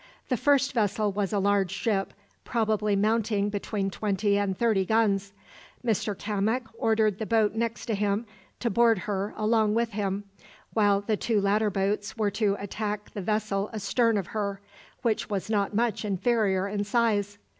The first vessel was a large ship, probably mounting between twenty and thirty guns. Mr Cammock ordered the boat next to him to board her along with him, while the two latter boats were to attack the vessel astern of her, which was not much inferior in size.